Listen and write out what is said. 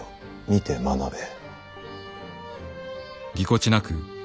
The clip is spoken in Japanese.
見て学べ。